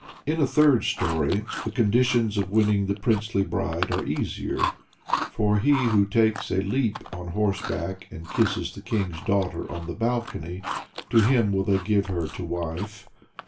In a third story, the conditions of winning the princely bride are easier, for "he who takes a leap on horseback, and kisses the king's daughter on the balcony, to him will they give her to wife."